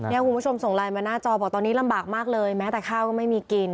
คุณผู้ชมส่งไลน์มาหน้าจอบอกตอนนี้ลำบากมากเลยแม้แต่ข้าวก็ไม่มีกิน